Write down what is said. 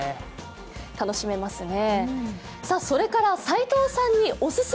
楽しめますね。